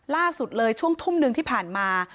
ล่าสุดเลยช่วงทุ่มหนึ่งที่ผ่านมา